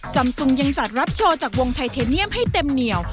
ซุงยังจัดรับโชว์จากวงไทเทเนียมให้เต็มเหนียว